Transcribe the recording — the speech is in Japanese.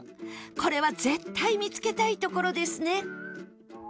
これは絶対見つけたいところですね